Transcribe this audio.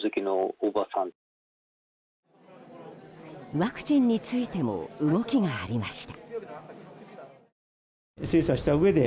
ワクチンについても動きがありました。